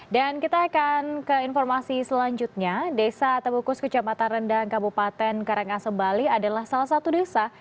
dan kita akan ke informasi selanjutnya desa atau bukus kecamatan rendang kabupaten karangasembali adalah salah satu desa